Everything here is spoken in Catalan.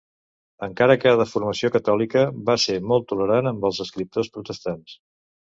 Encara que de formació catòlica, va ser molt tolerant amb els escriptors protestants.